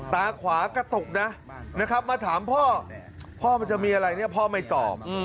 ตาขวากระตุกนะนะครับมาถามพ่อพ่อมันจะมีอะไรเนี่ยพ่อไม่ตอบ